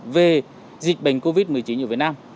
về dịch bệnh covid một mươi chín ở việt nam